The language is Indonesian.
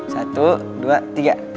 satu dua tiga